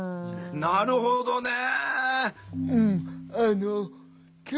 なるほどね。